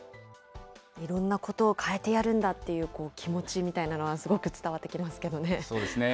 いろんなことを変えてやるんだっていう、気持ちみたいなのがすごく伝わってきますけどね。